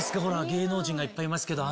芸能人がいっぱいいますけど。